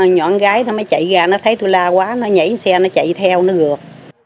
nhỏ con gái nó mới chạy ra nó thấy tôi la quá nó nhảy xe nó chạy theo nó gượt